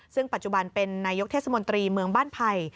ซึ่งปัจจุบันเป็นนายกเทศมนตรีเมืองบ้านไผ่